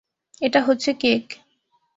এটা হচ্ছে কেক।